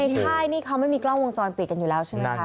ค่ายนี่เขาไม่มีกล้องวงจรปิดกันอยู่แล้วใช่ไหมคะ